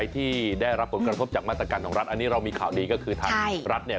ที่ได้รับผลกระทบจากมาตรการของรัฐอันนี้เรามีข่าวดีก็คือทางรัฐเนี่ย